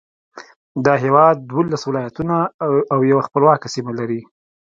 دا هېواد دولس ولایتونه او یوه خپلواکه سیمه لري.